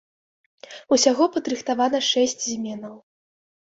Усяго падрыхтавана шэсць зменаў.